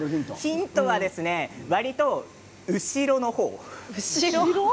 ヒントはわりと後ろの方。